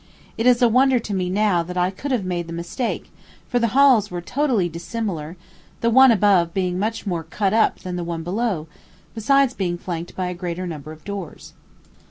It is a wonder to me now that I could have made the mistake, for the halls were totally dissimilar, the one above being much more cut up than the one below, besides being flanked by a greater number of doors.